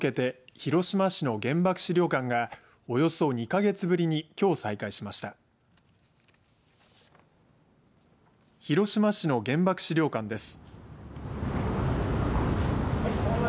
広島市の原爆資料館です。